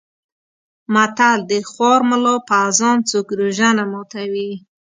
متل: د خوار ملا په اذان څوک روژه نه ماتوي.